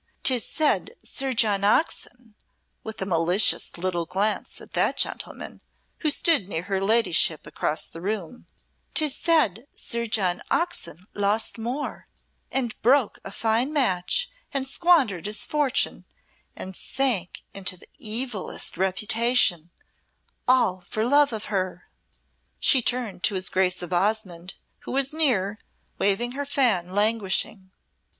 "'Tis said Sir John Oxon" with a malicious little glance at that gentleman, who stood near her ladyship across the room "'tis said Sir John Oxon lost more, and broke a fine match, and squandered his fortune, and sank into the evilest reputation all for love of her." She turned to his Grace of Osmonde, who was near, waving her fan languishing.